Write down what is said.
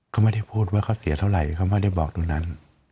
เขาไม่ได้พูดว่าเขาเสียเท่าไหร่เขาไม่ได้บอกตรงนั้น